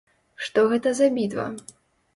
Што гэта за бітва?